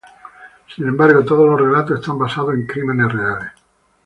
Sin embargo, todos los relatos están basados en crímenes reales.